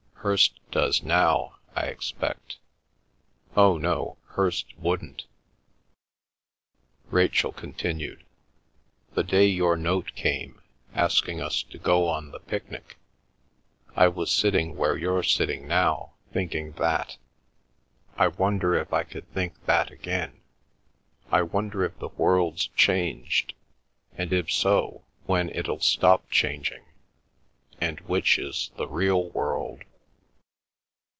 Hirst does now, I expect—oh, no, Hirst wouldn't." Rachel continued, "The day your note came, asking us to go on the picnic, I was sitting where you're sitting now, thinking that; I wonder if I could think that again? I wonder if the world's changed? and if so, when it'll stop changing, and which is the real world?"